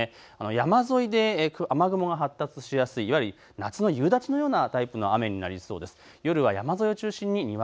山沿いで雨雲が発達しやすい、いわゆる夏の夕立のような雨になりそうです。